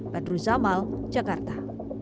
badru zamal jakarta